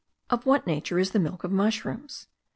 Of what nature is the milk of mushrooms?)